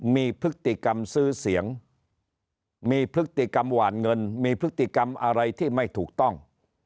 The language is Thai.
มีพฤติกรรมซื้อเสียงมีพฤติกรรมหวานเงินมีพฤติกรรมอะไรที่ไม่ถูกต้อง